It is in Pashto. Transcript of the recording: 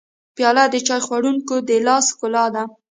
پیاله د چای خوړونکي د لاس ښکلا ده.